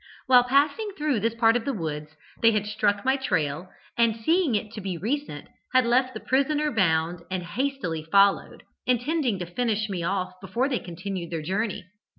While passing through this part of the woods, they had struck my trail, and, seeing it to be recent, had left the prisoner bound, and hastily followed, intending to finish me off before they continued their journey.